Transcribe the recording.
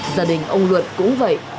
gia đình ông luật cũng vậy